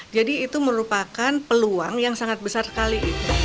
jadi itu merupakan peluang yang sangat besar sekali